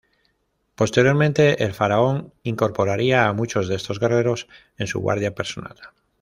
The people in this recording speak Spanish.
Posteriormente el faraón incorporaría a muchos de estos guerreros en su guardia personal.